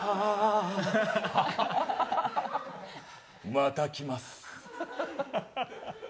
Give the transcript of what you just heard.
また来ます。